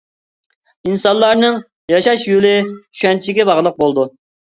ئىنسانلارنىڭ ياشاش يولى چۈشەنچىگە باغلىق بولىدۇ.